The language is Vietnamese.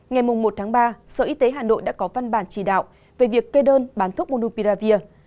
ngày một ba sở y tế hà nội đã có văn bản chỉ đạo về việc kê đơn bán thuốc munupiravir